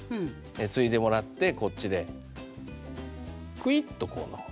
ついでもらってこっちでクイッとこう飲む。